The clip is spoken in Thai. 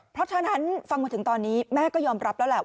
เพราะฉะนั้นฟังมาถึงตอนนี้แม่ก็ยอมรับแล้วแหละ